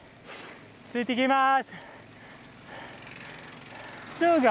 ついていきます！